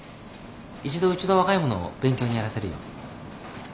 一度うちの若い者を勉強にやらせるよ。